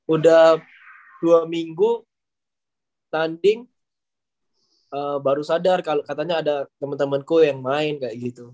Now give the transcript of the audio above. udah dua minggu tanding baru sadar katanya ada temen temenku yang main kayak gitu